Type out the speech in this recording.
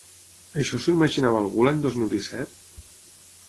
Això s’ho imaginava algú l’any dos mil disset?